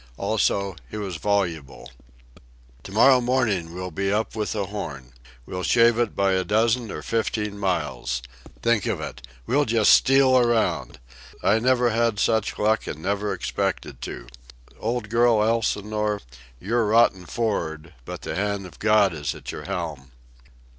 Also, he was voluble. "To morrow morning we'll be up with the Horn. We'll shave it by a dozen or fifteen miles. Think of it! We'll just steal around! I never had such luck, and never expected to. Old girl Elsinore, you're rotten for'ard, but the hand of God is at your helm."